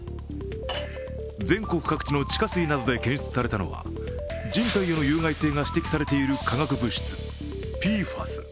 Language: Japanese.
全国各地の地下水などで検出されたのは人体への有害性が指摘されている化学物質、ＰＦＡＳ。